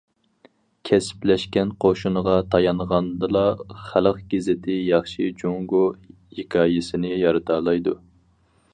كەسىپلەشكەن قوشۇنغا تايانغاندىلا خەلق گېزىتى ياخشى جۇڭگو ھېكايىسىنى يارىتالايدۇ.